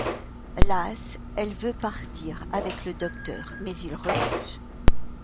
Lasse, elle veut partir avec le Docteur mais il refuse.